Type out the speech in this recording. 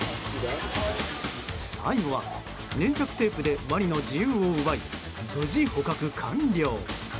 最後は粘着テープでワニの自由を奪い無事、捕獲完了。